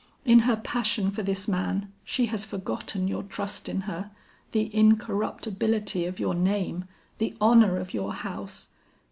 In her passion for this man, she has forgotten your trust in her, the incorruptibility of your name, the honor of your house.